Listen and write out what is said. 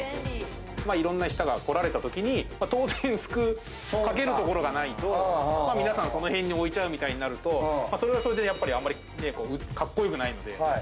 いろんな人が来られたときに当然服かけるところがないと、皆さんその辺に置いちゃうとなると、それはそれであまりかっこよくないので。